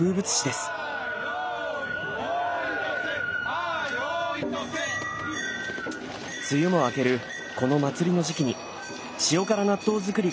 梅雨も明けるこの祭りの時期に塩辛納豆造りが始まります。